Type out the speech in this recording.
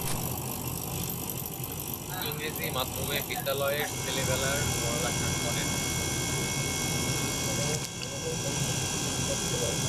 ইংরেজি মাধ্যমে বিদ্যালয়ের ছেলেবেলায় লেখাপড়া করেন।